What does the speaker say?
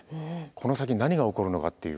この先何が起こるのかっていう。